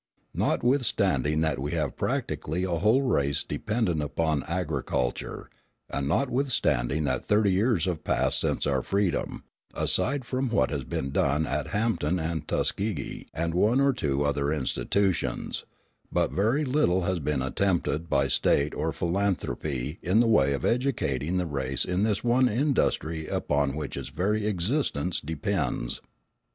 Notwithstanding that we have practically a whole race dependent upon agriculture, and notwithstanding that thirty years have passed since our freedom, aside from what has been done at Hampton and Tuskegee and one or two other institutions, but very little has been attempted by State or philanthropy in the way of educating the race in this one industry upon which its very existence depends.